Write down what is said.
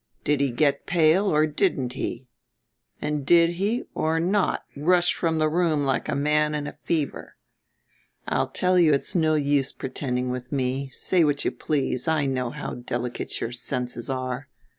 "Did he get pale or didn't he? And did he or not rush from the room like a man in a fever? I tell you it's no use pretending with me; say what you please I know how delicate your senses are.